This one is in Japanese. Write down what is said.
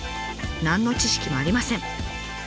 何の知識もありません。